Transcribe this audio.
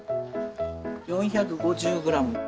４５０グラム。